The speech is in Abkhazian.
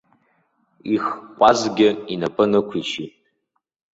Их ҟәазгьы инапы нықәишьит.